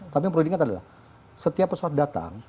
tapi yang perlu diingat adalah setiap pesawat datang